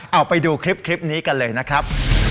เอาไปดูคลิปนี้กันเลยนะครับ